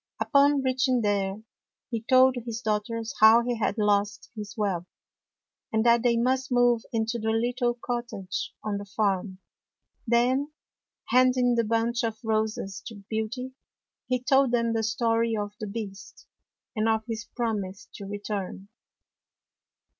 Upon reacliing there, he told his daugh ters how he had lost his wealth, and that they must move into the little cottage on the farm. Then, handing the bunch of roses to Beauty, he told them the story of the Beast, and of his promise to return.